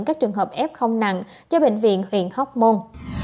các trường hợp f nặng cho bệnh viện huyện hóc môn